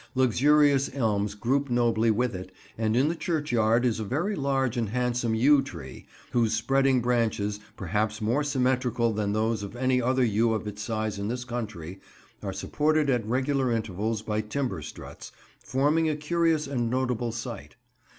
Luxuriant elms group nobly with it, and in the churchyard is a very large and handsome yew tree, whose spreading branches, perhaps more symmetrical than those of any other yew of its size in this country, are supported at regular intervals by timber struts, forming a curious and notable sight.